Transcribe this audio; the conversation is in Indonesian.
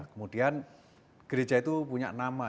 kemudian gereja itu punya nama